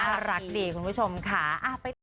อะไรแบบนี้น่ารักดี